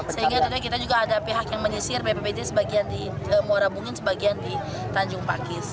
sehingga tentunya kita juga ada pihak yang menyisir bppd sebagian di muara bungin sebagian di tanjung pakis